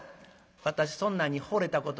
「私そんなんに惚れたことない。